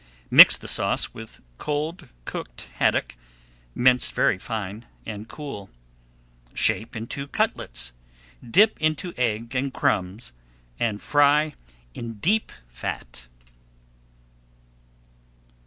Mix the sauce with cold cooked haddock, minced very fine, and cool. Shape into cutlets, dip into egg and crumbs, and fry in deep fat.